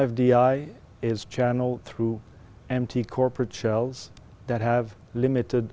các fdi được phát triển qua những vùng trung tâm không phát triển